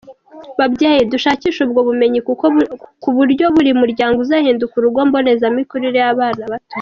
Babyeyi dushakishe ubwo bumenyi ku buryo buri muryango uzahinduka urugo mbonezamikurire y’abana bato.